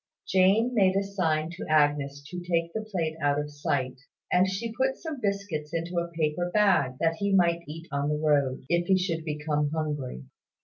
Jane made a sign to Agnes to take the plate out of sight: and she put some biscuits into a paper bag, that he might eat on the road, if he should become hungry.